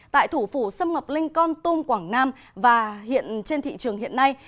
tại thủ phủ xâm ngọc linh con tum quảng nam và hiện trên thị trường hiện nay